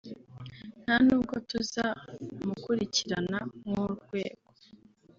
nta n’ubwo tuzamukurikirana nk’urwego